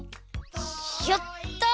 やった！